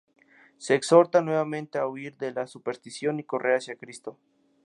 Se exhorta nuevamente a huir de la superstición y correr hacia Cristo.